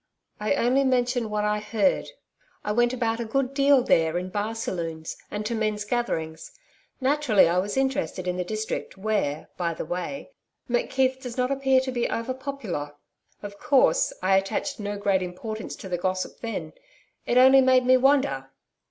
'I only mention what I heard. I went about a good deal there in bar saloons, and to men's gatherings. Naturally, I was interested in the district where, by the way, McKeith does not appear to be over popular. Of course, I attached no great importance to the gossip then. It only made me wonder.